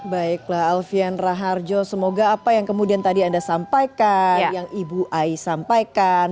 baiklah alfian raharjo semoga apa yang kemudian tadi anda sampaikan yang ibu ai sampaikan